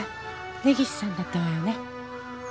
根岸さんだったわよね？